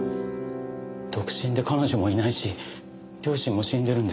独身で彼女もいないし両親も死んでるんです。